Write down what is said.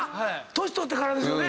年取ってからですよね。